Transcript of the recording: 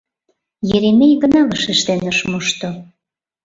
Еремей гына вашештен ыш мошто.